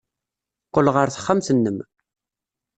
Qqel ɣer texxamt-nnem.